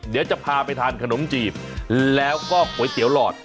เดี๋ยวจะพาไปทานขนมจีบแล้วก็ก๋วยเตี๋ยวหลอด